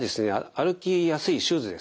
歩きやすいシューズですね